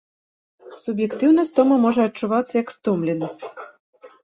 Суб'ектыўна стома можа адчувацца як стомленасць.